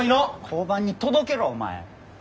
交番に届けろお前！